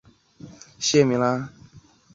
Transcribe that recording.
马聚垣遗址的历史年代为马家窑类型。